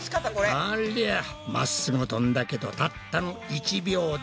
ありゃ真っ直ぐ飛んだけどたったの１秒だ。